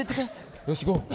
よし、いこう！